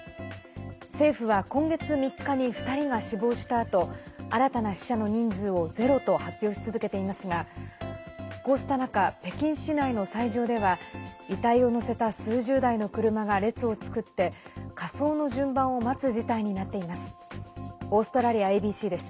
政府は今月３日に２人が死亡したあと新たな死者の人数をゼロと発表し続けていますがこうした中、北京市内の斎場では遺体を乗せた数十台の車が列を作って火葬の順番を待つ事態になっています。